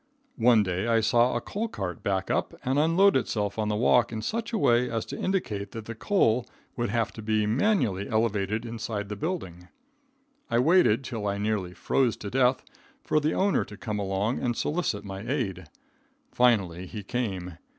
One day I saw a coal cart back up and unload itself on the walk in such a way as to indicate that the coal would have to be manually elevated inside the building. I waited till I nearly froze to death, for the owner to come along and solicit my aid. Finally he came.